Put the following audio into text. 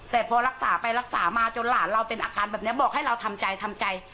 แต่พอรักษาไปรักษามาจนหลานเราเป็นอาการแบบนี้บอกให้เราทำใจทำใจ